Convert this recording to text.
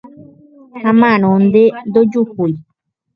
Ha márõnte ndojuhúi.